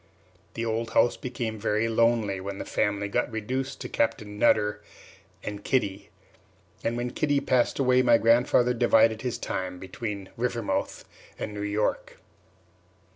The old house became very lonely when the family got reduced to Captain Nutter and Kitty; and when Kitty passed away, my grandfather divided his time between Rivermouth and New York.